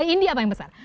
india paling besar